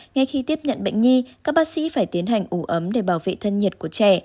ngay khi tiếp nhận bệnh nhi các bác sĩ phải tiến hành ủ ấm để bảo vệ thân nhiệt của trẻ